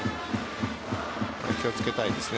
気をつけたいですね。